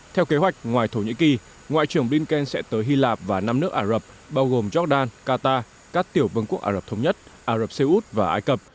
theo kế hoạch ngoài thổ nhĩ kỳ ngoại trưởng blinken sẽ tới hy lạp và năm nước ả rập bao gồm jordan qatar các tiểu vương quốc ả rập thống nhất ả rập xê út và ai cập